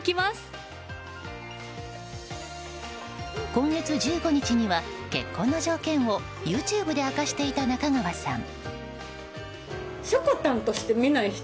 今月１５日には結婚の条件をＹｏｕＴｕｂｅで明かしていた中川さん。